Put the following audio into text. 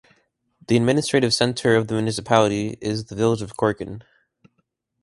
The administrative centre of the municipality is the village of Korgen.